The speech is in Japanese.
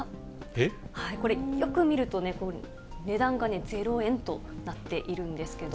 これ、よく見るとね、値段が０円となっているんですけど。